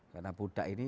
karena pudak ini